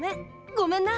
ごめんな。